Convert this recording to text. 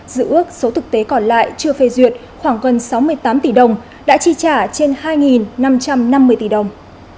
dự ước số thực tế còn lại chưa phê duyệt khoảng gần sáu mươi tám tỷ đồng đã chi trả trên hai năm trăm năm mươi tỷ đồng